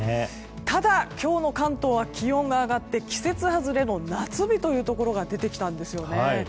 ただ、今日の関東は気温が上がって季節外れの夏日というところが出てきたんですよね。